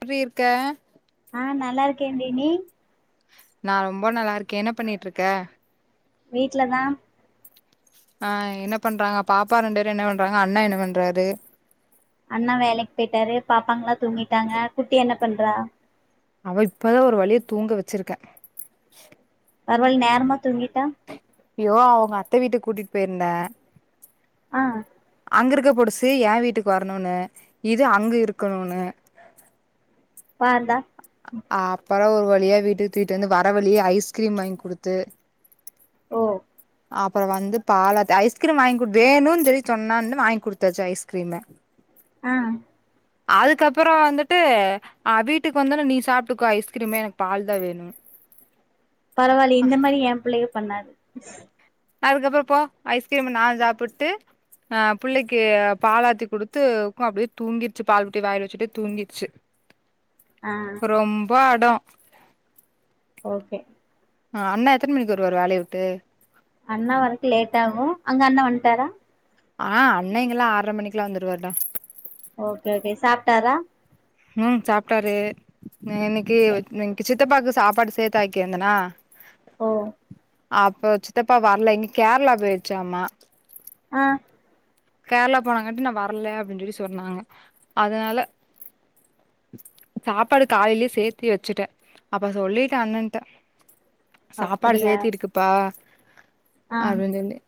எப்றீ இருக்க ஆ நல்லாருகேண்டி நீ நா ரொம்ப நல்லாருக்க என்ன பண்ணிட்ருக்க வீட்லதா ஆ என்ன பண்றாங்க பாப்பா ரெண்டு பேரு என்ன பண்றாங்க அண்ணா என்ன பண்றாரு அண்ணா வேலைக் போய்ட்டாரு பாப்பாங்கல்லா தூங்கிட்டாங்க குட்டி என்ன பண்றா அவ இப்பதா ஒரு வழிய தூங்க வெச்சிருக்க பரவால்ல நேரமா தூங்கீட்டா ஐயோ அவுங்க அத்த வீட்டுக் கூட்டிட் போயிருந்த ஆ அங்கிருக்க பொடுசு ஏ வீட்டுக்கு வரனுனு இது அங்க இருக்கனுனு பாருடா ஆ அப்றோ ஒரு வழியா வீட்டுக்கு தூக்கிட்டு வந்து வர வழியே ஐஸ்கிரீம் வாங்கி குடுத்து ஓ அப்பறோ வந்து பாலாத்த ஐஸ்கிரீம் வாங்கி குடு வேணுன்னு சொல்லி சொன்னான்னு வாங்கி குடுத்தாச்சு ஐஸ்கிரீமு ஆ அதுக்கப்புறோ வந்துட்டு ஆ வீட்டுக் இப்ப வந்த ஒன்னே நீ சாப்டுக்கோ ஐஸ்கிரீமு எனக்கு பால் தா வேணு பரவாலியே இந்த மாரி ஏ பிள்ளைக பண்ணாது அதுக்கப்பரோ போ ஐஸ்கிரீம்ம நாஞ்சாப்புட்டு ஆ புள்ளைக்கு பாலாத்தி குடுத்து குள்ள அப்டியே தூங்கிடுச்சு பால் புட்டி வாயிலவச்சுட்டே தூங்கிருச்சு ஆ ரொம்ப அடோ ஓக்கே ஆ அண்ணா எத்தன் மணிக்கு வருவாரு வேலைய வுட்டு அண்ணா வரக்கு லேட் ஆகு அங்க அண்ண வன்ட்டாரா ஆ அண்ணேங்கல்லா ஆர்ற மணிக்லா வந்துருவார்டா ஓக்கே ஓகே சாப்ட்டாரா ம் சாப்ட்டாரு னு இன்னைக்கு சித்தப்பாக்கு சாப்பாடு சேத்து ஆக்கிருந்தனா ஓ அப்ப சித்தப்பா வர்ல இன்னிக் கேரளா போயிருச்சாமா ஆ கேர்ளா போனங்காட்டி நா வர்ல அப்டின் சொல்லி சொன்னாங்க அதனால சாப்பாடு காலைலியே சேத்தி வச்சுட்டே அப்ப சொல்லிட்டே அண்ணன்ட்ட சாப்பாடு அப்டியா சேத்தி இருக்குப்பா ஆ அப்டின் சொல்லி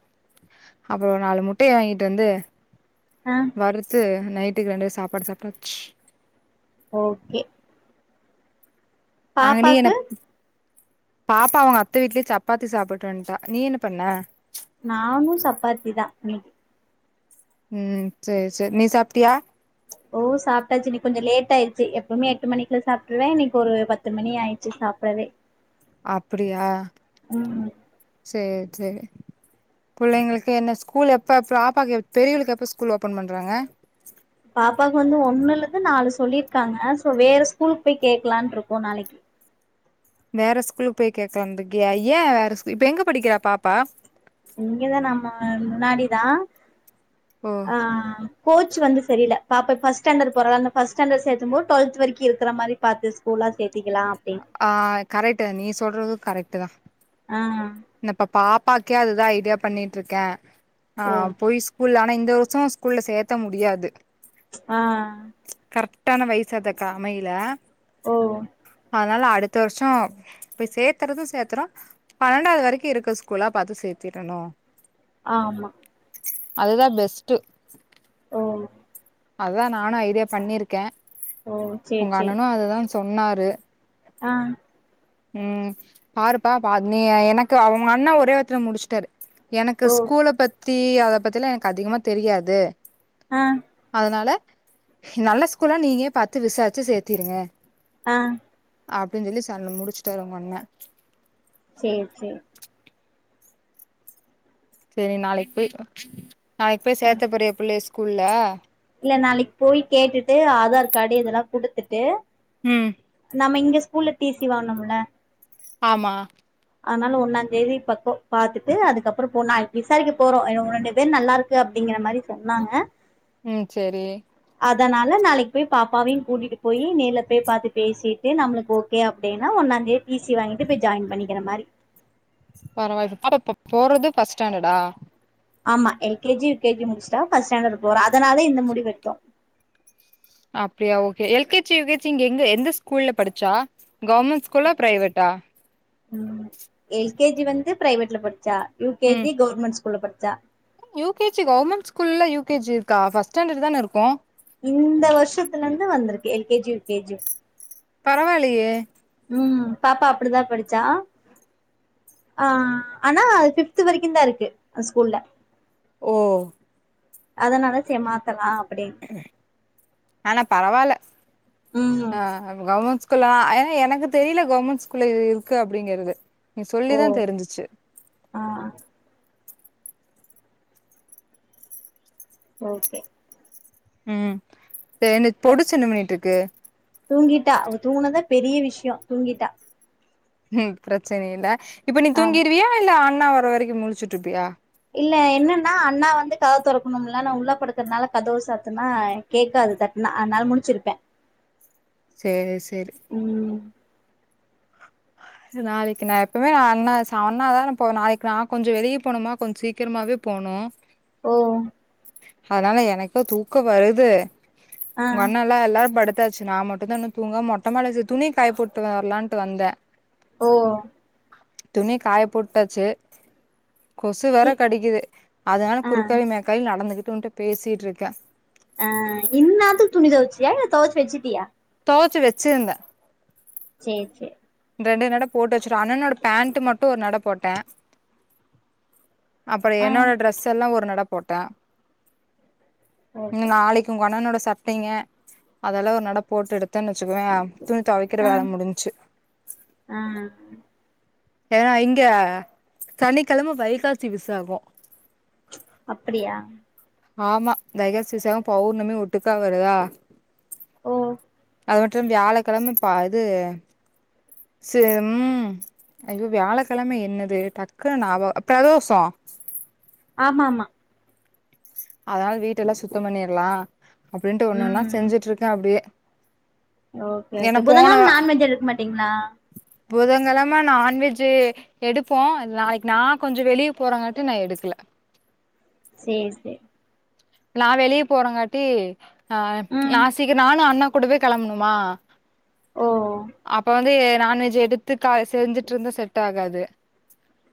அப்புறோ ஒரு நாலு முட்டைய வாங்கிட்டு வந்து ஆ வறுத்து நைட்டுக்கு ரெண்டு பேர் சாப்பாடு சாப்டாச்சு ஓக்கே அங்க நீ பாப்பாக்கு எனப் பாப்பா அவுங்க அத்த வீட்லயே சப்பாத்தி சாப்ட்டு வன்ட்டா நீ என்ன பண்ண நானு சப்பாத்தி தா [unintelligible] ம் சேரி சேர் நீ சாப்ட்டியா ஓ சாப்டாச்சு இன்னைக்கு கொஞ்சோ லேட்டா ஆயிருச்சு எப்பவுமே எட்டு மணிக்குள்ள சாப்ட்ருவே இன்னைக்கு ஒரு பத்து மணி ஆயிருச்சு சாப் டவே அப்டியா சேரி சேரி புள்ளைங்களுக்கு என்ன ஸ்கூல் எப்போ பாப்பாக்கு எ பெரியவளுக்கு எப்போ ஸ்கூல் ஓப்பன் பண்றாங்க பாப்பாக்கு வந்து ஒண்ணுலந்து நாலு சொல்லிர்க்காங்க சோ வேற ஸ்கூலுக்கு போய் கேக்கலான்ருக்கோ நாளைக்கு வேற ஸ்கூலுக்கு போய் கேக்கலான்ருக்கியா ஏ வேற ஸ்கூ இப்ப எங்க படிக்கிறா பாப்பா இங்கதா நம்ம முன்னாடி தா ஓ ஆ கோச் வந்து சரியில்ல பாப்பா இப் ஃபஸ்ட் ஸ்டாண்டர்டு போறாலா அந்த ஃபஸ்ட் ஸ்டாண்டர்டு சேத்தும் போது டுவெல்த் வரைக்கு இருக்கிற மாரி பாத்து ஸ்கூலா சேத்திக்கலா அப்டின்னு ஆ கரெக்ட்டு நீ சொல்றது கரெக்ட்டு தா ஆ நா இப்ப பாப்பாக்கே அதுதா ஐடியா பண்ணிட்ருக்கே ஆ ஓ பொய் ஸ்கூல்ல ஆனா இந்த வருஷோ ஸ்கூல்ல சேத்த முடியாது ஆ ஆ கரெக்டான வயச அதக் அமையல ஓ அதனால அடுத்த வர்ஷோ போய் சேத்தறது சேத்ரோ பன்னெண்டாவது வ ரைக்கு இருக்க ஸ்கூலா பாத்து சேத்திரணு ஆமா அது தா பெஸ்ட்டு ஓ அதா நானு ஐடியா பண்ணிருக்கே ஓ சேரி எங்க சேரி அண்ணனுஅது தா சொன்னாரு ஆ உ பாருப்பா பார் நீ எனக்கு அவுங்க அண்ணே ஒரே ஒருத்துல முடிச்சுட்டாரு எனக்கு ஓ ஸ்கூல பத்தி அத பத்தில்லா எனக்கு அதிகமா தெரியாது ஆ அதுனால நல்ல ஸ்கூல்லா நீயே பாத்து விசாரிச்சு சேத்திருங்க ஆ அப்டின்னு சொல்லி சன் முடிச்சுட்டாரு உங்கன்னே சேரி சேரி சரி நாளைக்கு போய் நாளைக்கு போய் அ சேத்த போறியா பிள்ளைய ஸ்கூல்ல இல்ல நாளைக்கு போய் கேட்டுட்டு ஆதார் கார்டு இதெல்லா குடுத்துட்டு உ நம்ம இங்க ஸ்கூல்ல டி சி வாங்னோம்ல ஆமா அதனால ஒன்னா தேதி பக்கம் பாத்துட்டு அதுக்கப்பறோ போனு விசாரிக்க போறோ இவுங்க ரெண்டு பேர் நல்லாருக்கு இது அப்டிங்கற மாரி சொன்னாங்க உ சேரி அதனால நாளைக்கு போய் பாப்பாவையு கூட்டிட்டு போயி நேர்ல போய் பாத்து பேசிட் அது நம்மளுக்கு ஓகே அப்டினா ஒன்னாந்தே டிசி வாங்கிட்டு போய் ஜாயின் பண்ணிக்கிற மாரி பரவாயில்ல அட இப்ப போறது பர்ஸ்ட் ஸ்டாண்டர்டா ஆமா L K G U K G முடிச்சிட்டா பஸ்ட்ஸாண்டர் போறா அதுனால இந்த முடிவெத்தோ அப்டியா okay L K G U K G இங்க எங்க எந்த ஸ்கூல்ல படிச்சா கோவர்மண்ட் ஸ்கூலா பிரைவேட்டா எல் கே ஜி வந்து பிரைவேட்ல படிச்சா யு கே ஜி கௌர்மெண்ட் ஸ்கூல்ல படிச்சா யு கே ஜி கௌர்மெண்ட் ஸ்கூல்ல யு கே ஜி இருக்கா ஃபஸ்டஸாண்டர்ட் தானே இருக்கு இந்த வருஷத்துலருந்து வந்துருக்கு L K G U K G U பரவாயில்லியே உ பாப்பா அப்டி தா படிச்சா ஆ ஆனா அது பிப்து வரைக்கு தா இருக்கு அந்த ஸ்கூல்ல ஓ அதனால சேரி மாத்தலா அப்படின்னு ஆனா பரவால்ல ம் ஆ கவ்மண் ஸ்கூ கூல்லா ஆ ஏனா எனக்கு தெரில கவ்மண்ட் ஸ்கூல்ல இது இருக்கு அப்டிங்கறது நீ சொல்லி ஓ தா தெரிஞ்சிச்சு ஆ ஓகே உ இந்த பொடுசு என்ன பண்ணிட்டுருக்கு தூங்கிட்டா அவ தூங்குனத பெரிய விஷயோ தூங்கிட்டா ம் பிரச்சன இல்ல இப்ப நீ ஆமா தூங்கிருவியா இல்ல அண்ணா வர வரைக்கு முழிச்சிட்டுருப்பியா இல்ல என்னன்னா அண்ணா வந்து கதவு தொறக்கணுல நா உள்ள படுக்கறனால கதவு சாத்துனா கேக்காது தட்னா அதனால முழிச்சுருப்பே சேரி சேரி உ நாளைக்கு நா எப்பவுமே நா அண்ணா அண்ணாதான போவும் நாளைக்கு நா கொஞ்சோ வெளிய போனுமா கொஞ்சோ சீக்கிரமாவே போனு. ஓஹ் அதனால எனக்கு தூக்கோ வருது ஆ உங்க அண்ணா உள்ள எல்லாரு படுத்தாச்சு நா மட்டுதா இன்னு தூங்காம மொட்ட மாடில சேரி துணி காய போட்டு வரலாட்டு வந்தேன் ஓஓ துணி காய போட்டாச்சு கொசு வேற இ கடிக்குது. அதனால ஆ குறுக்காலயு மேக்காலயு நடந்துகிட்டு உண்ட பேசிட்டுருக்க ஆஹ் இன்நேரத்துக்கு துணி தொவச்சியா இல்ல தொவச்சு வச்சிட்டியா தொவச்சு வச்சிருந்த சேரி சேரி ரெண்டு நட போட்டு வச்சுருவ அண்ணனோட பேண்ட் மட்டு ஒரு நட போட்ட அப்பற ஆ என்னோட ட்ரெஸ் எல்லா ஒரு நட போட்ட ம் ஓகே நாளைக்கு உங்க அண்ணனோட சட்டைங்க அதெல்லா ஒரு நட போட்டு எடுத்தன்னு வச்சுக்கோய துணி தொவைக்கற வேல முடிஞ்ச்சு ம்ம் ஏன்னா இங்க சனிக்கெழம வைகாசி விசாக அப்டியா ஆமா! வைகாசி விசாக பௌர்ணமியு ஒட்டுக்கா வருதா ஓ அது மட்டும் வியாழக்கெழம பா இது ச உம் ஐயோ வியாழக்கெழம என்னது டக்குன்னு ஞாபக பிரதோஷ ஆமாமா அதனால வீட்டயெல்லா சுத்த பண்ணிறலா அப்டின்ட்டு ஒன்னோன்னா ம் செஞ்சுட்டுருக்க அப்டியே ஓகே ஓகே புதங்கெழம நான்வெஜ் எடுக்க மாட்டீங்களா புதங்கெலம நான்வெஜ்ஜு... எடுப்போ. நாளைக்கு நா கொஞ்சோ வெளிய போறங்காட்டிலு நா எடுக்கல சேரி சேரி நா வெளிய போறங்காட்டி ஆ நா நா ம் சீக்கரோ நானு அண்ணா கூடவே கெளம்பணுமா ஓ அப்ப வந்து நான்வெஜ்ஜூ எடு [unintelligible] செஞ்சிட்டுருந்தா செட் ஆகாது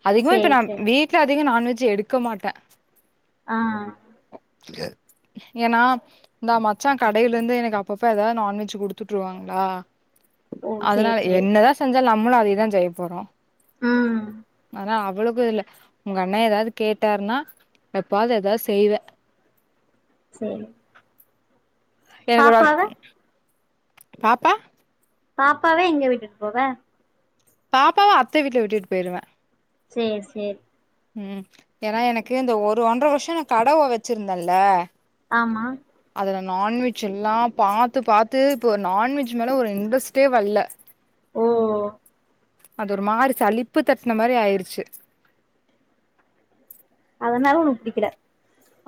அதிகமா இப்ப சேரி நா சேரி வீட்டு வீட்ல அதிக நான்வெஜ்ஜூ எடுக்க மாட்ட ஆ ஏன்னா இந்த மச்சா கடையிலருந்து எனக்கு அப்பப்ப ஏதாவது நான்வெஜ் குடுத்துட்டுருவாங்களா ஓ சேரி அதனால சேரி என்னதா செஞ்சாலு நம்மளு அதயேதா செய்ய போறோ ம் ஆனா, அவளுக்குயில்ல உங்க அண்ணா ஏதாவது கேட்டாருன்னா எப்பாது ஏதாது செய்வ சரி [unintelligible] பாப்பா பாப்பாவ எங்க விட்டுட்டு போவ பாப்பாவ அத்த வீட்ல விட்டுட்டு போயிருவ. சேரி சேரி ம் ஏன்னா எனக்கு இந்த ஒரு ஒன்ற வருஷ கடவ வச்சிருந்தன்ல ஆமா அதுல நான்வெஜ்யெல்லா பாத்து பாத்து இப்போ நான்வெஜ் மேல ஒரு இன்ட்ரெஸ்ட்டே வல்ல ஒஹ்ஹஹ் அது ஒரு மாரி சளிப்பு தட்டுன மாரி ஆயிடுச்சு அதனால உனுக்கு புடிக்கல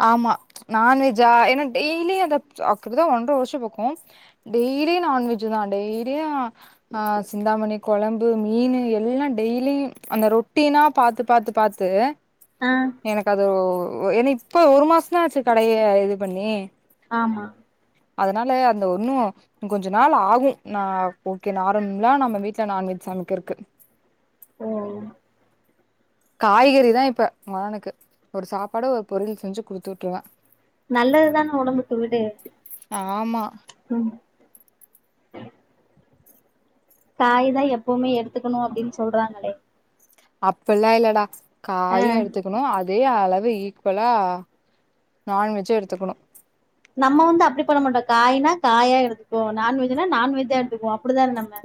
ஆமா நான்வெஜ்ஜா ஏன்னா டெய்லியு அதக்குறதா ஒன்ற வருஷ பக்க டெய்லி நான்வெஜ் தா டெய்லியு அ சிந்தாமணி கொழம்பு மீனு எல்லா டெய்லியும் அந்த ரொட்டீனா பாத்து பாத்துப் பாத்து ஆ எனக்கு அது ஒ ஒ ஒ ஏன இப்ப ஒரு மாசந்தா ஆச்சு கடைய இது பண்ணி. ஆமா. அதனால அந்த ஒன்னு கொஞ்ச நாள் ஆகு நா ஓகே நார்ம்லா நம்ம வீட்ல நான்வெஜ் சமைக்கிற்கு. ஒ காய்கறிதா இப்ப மகனுக்கு ஒரு சாப்பாடு ஒரு பொரியல் செஞ்சு குடுத்து உட்டுருவ. நல்லதுதான ஒடம்புக்கு விடு ஆமா. ம். காய்தா எப்பவுமே எடுத்துக்குணு அப்டின் சொல்றாங்களே. அப்பல்லா இல்லடா ஆ காயு எடுத்து க்கணு. அதே அளவு ஈக்குவலா நான்வெஜ்ஜு எடுத்துக்குணு. நம்ம வந்து அப்டி பண்ணமாட்டோ காய்னா காயா எடுத்துக்குவோ நான்வெஜ்னா நான்வெஜ்ஜா எடுத்துக்குவோ அ ப்டிதான் நம்ம.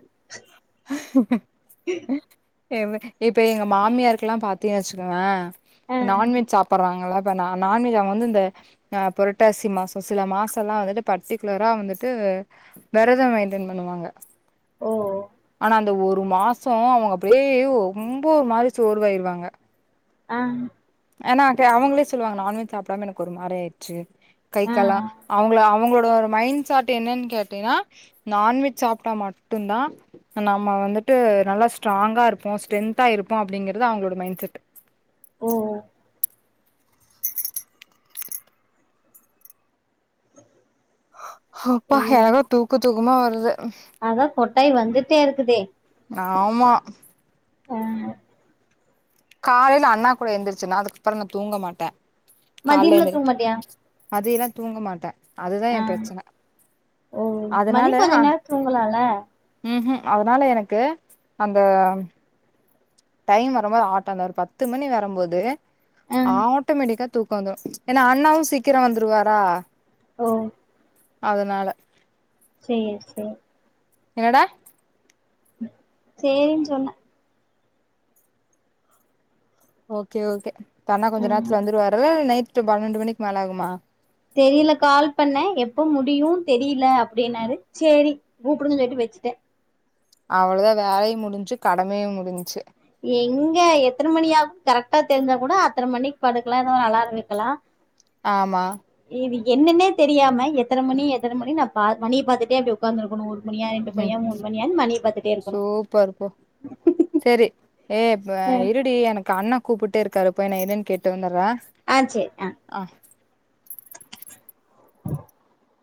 எவ்வெ இப்ப எங்க மாமியாருக்கல்லா பாத்தீனு வெச்சுக்கவே ஆ நான்வெஜ் சாப்பர்றாங்கள்ல அப்ப நா நான்வெஜ் அவுங்க வந்து இந்த அ புரட்டாசி மாசோ சில மாசோ எல்லா வந்துட்டு பர்ட்டிகுலரா வந்துட்டு வெரதோ மெயின்டென் பண்ணுவாங்க. ஓ ஆனா அந்த ஒரு மாசோ அவுங்க அப்டியே ஒ ம்போ ஒரு மாரி சோர்வாயிருவாங்க. அ ஆனா க அவங்ளே சொல்லுவாங்க நான்வெஜ் சாப்டாம எனக்கு ஒரு மாரி ஆயிர்ச்சு. கை ஆ கால்லா அவுங்ள அவுங்ளோட ஒரு மைண் சாட் என்னன் கேட்டீனா நான்வெஜ் சாப்ட்டா மட்டுந்தா நம்ம வந்துட்டு நல்லா ஸ்ட்ராங்கா இருப்போ ஸ்ட்ரென்த்தா இருப்போ அப்டிங்கிறது அவுங்ளோட மைண் செட்டு. ஓ அப்பா சேரி எனக்கு தூக்க தூக்கமா வருது. அதா கொட்டாய் வந்துட்டே இருக்குதே. ஆமா. ஆ காலைல அண்ணா கூட எந்திரிச்சன்னா அதுக்கப்புற நா தூங்க மாட்டே. கால்ல மதியம்லா எந்திரி தூங்க மாட்டியா மதியெல்லா தூங்க மாட்டே அதுதா ஆ எ பிரச்சன. ஓ மதிய கொஞ்ச நேரோ தூங்களால்ல. ம்ஹு அதனால எனக்கு அந்த டைம் வரம்போது ஆட்டோல ஒரு பத்து மணி வரும்போது ஆ ஆட்டோமெட்டிக்கா தூக் கோ வந்துரு ஏன்னா அண்ணாவு சீக்கிரோ வந்துருவாரா. ஓ. அதனால. சேரி சேரி‌. என்னடா? ம் சேரின் சொன்ன. ஓகே ஓகே இப்ப அண்ணா கொஞ்ச ம் நேரத்ல வந்துருவாரா இல்ல நைட்டு பன்னெண்டு மணிக் மேல ஆகுமா? தெரில கால் பண்ணே எப்ப முடியு தெரில அப்டின்னாரு சேரி கூப்புடுங்கன் சொல்லிட்டு வெச்சுட்டே. அவளதா வேலையு முடிஞ்ச்சு கடமையு முடிஞ்ச்சு. எங்க எத்தன மணியாகுன் கரெக்ட்டா தெரிஞ்சா கூட அத்தன மணிக் படுக்கலா எதோ ஒரு அலார வெக்கலா. ஆமா. இது என்னன்னே தெரியாம எத்தன மணி எத்தன மணி நா பா மணிய பாத்துட்டே அப்டி ஒக்காந்துருக்குணு மணியா ரெண்டு மணியா மூணு மணியான் மணிய பாத்துட்டே இருக்குணு ப்பாருக்கு சரி ஏ ப்ப இருடி எனக்கு அண்ண கூப்புட்டே இருக்காரு போய் நா என்னன் கேட்டு வந்துர்ற ஆ சேர் அ ஆ ஹ